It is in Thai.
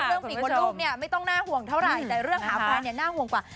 ฝีมือลูกเนี่ยไม่ต้องน่าห่วงเท่าไหร่แต่เรื่องหาแฟนเนี่ยน่าห่วงกว่า